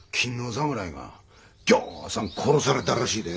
侍がぎょうさん殺されたらしいで。